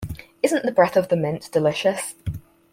Isn’t the breath of the mint delicious?